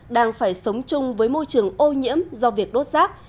đang phải sống chung với môi trường ô nhiễm do việc đốt rác